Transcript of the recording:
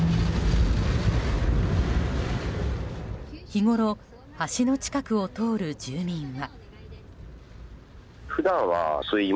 日ごろ、橋の近くを通る住民は。